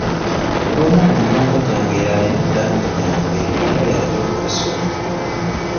Omu ku mikwano gyange y'alina eddaame lyange era y'ajja okulisoma.